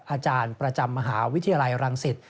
อาจารย์ประจำมหาวิทยาลัยรังสิต